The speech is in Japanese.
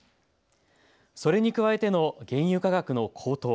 それに加えての原油価格の高騰。